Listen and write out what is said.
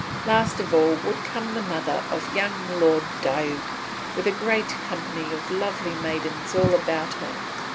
Last of all would come the mother of young Lord Diuk, with a great company of lovely maidens round about her.